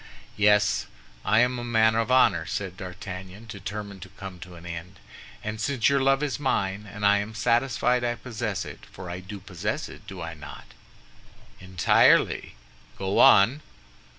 "Yes; I am a man of honor," said D'Artagnan, determined to come to an end, "and since your love is mine, and I am satisfied I possess it—for I do possess it, do I not?" "Entirely; go on."